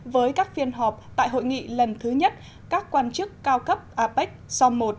với các phiên họp tại hội nghị lần thứ nhất các quan chức cao cấp apec som một